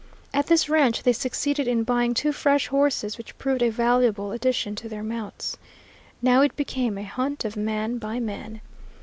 At this ranch they succeeded in buying two fresh horses, which proved a valuable addition to their mounts. Now it became a hunt of man by man.